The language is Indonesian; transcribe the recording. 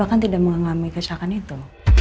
saya memang tidak mengalami kecelakaan itu